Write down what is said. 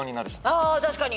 あ確かに。